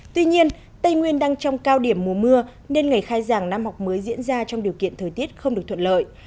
tuy nhiên tây nguyên đang trong cao điểm mùa mưa nên ngày khai giảng năm học mới diễn ra trong điều kiện thời tiết không được thuận lợi